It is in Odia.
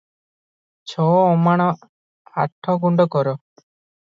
ଛ ଅମାଣ ଆଠଗୁଣ୍ଠ କ'ର?